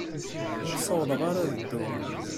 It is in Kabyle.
Ur ssawḍeɣ ara ad dduɣ.